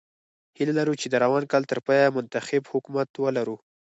هیله لرو چې د روان کال تر پایه منتخب حکومت ولرو.